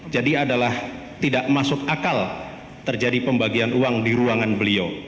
jadi adalah tidak masuk akal terjadi pembagian uang di ruangan beliau